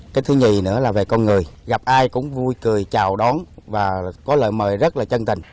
cái thứ nhì nữa là về con người gặp ai cũng vui cười chào đón và có lời mời rất là chân tình